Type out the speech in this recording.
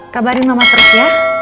kabarin mama terus ya